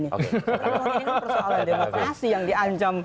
ini persoalan demokrasi yang diancam